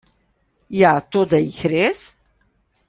Ja, toda jih res?